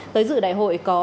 tới dự đại hội có